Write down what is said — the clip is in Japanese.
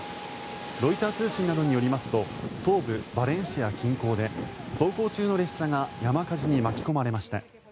ロイター通信などによりますと東部バレンシア近郊で走行中の列車が山火事に巻き込まれました。